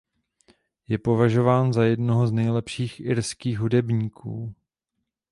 Je považován za jednoho z nejlepších irských hudebníků.